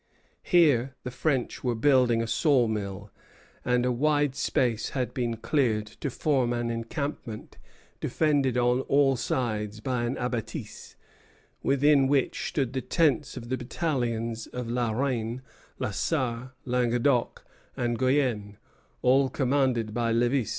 Here the French were building a saw mill; and a wide space had been cleared to form an encampment defended on all sides by an abattis, within which stood the tents of the battalions of La Reine, La Sarre, Languedoc, and Guienne, all commanded by Lévis.